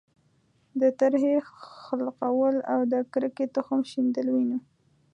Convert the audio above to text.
د ترهې خلقول او د کرکې تخم شیندل وینو.